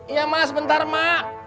iya ma sebentar ma